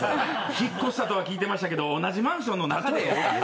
引っ越したとは聞いてましたけど、同じマンションの中で。